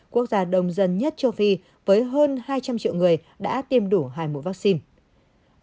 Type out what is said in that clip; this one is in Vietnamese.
quốc gia đông dân nhất châu phi với hơn hai trăm linh triệu người đã tiêm đủ hai mẫu vaccine